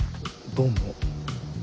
どうも。